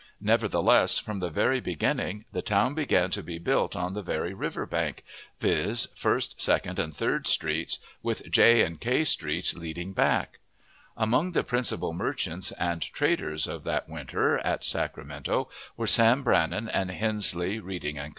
Nevertheless, from the very beginning the town began to be built on the very river bank, viz., First, Second, and Third Streets, with J and K Streets leading back. Among the principal merchants and traders of that winter, at Sacramento, were Sam Brannan and Hensley, Reading & Co.